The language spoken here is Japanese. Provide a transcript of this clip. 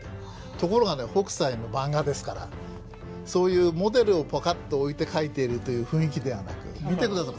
ところがね北斎のマンガですからそういうモデルをパカッと置いて描いているという雰囲気ではなく見て下さい。